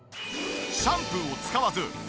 シャンプーを使わずいや